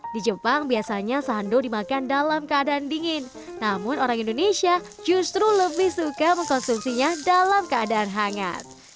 di jepang biasanya sando dimakan dalam keadaan dingin namun orang indonesia justru lebih suka mengkonsumsinya dalam keadaan hangat